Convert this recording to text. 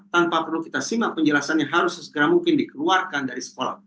tanpa perlu kita simak penjelasannya harus sesegera mungkin dikeluarkan dari sekolah